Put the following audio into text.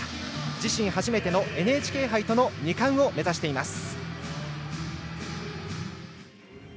自身初めてのＮＨＫ杯との２冠を目指しています。